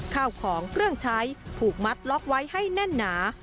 ข้าวของเครื่องใช้ถูกมัดล็อกไว้ให้แน่นหนา